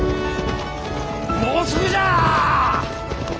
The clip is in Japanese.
もうすぐじゃ！